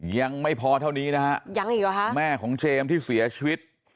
ยังไม่พอเท่านี้นะฮะยังอีกหรอฮะแม่ของเจมส์ที่เสียชีวิต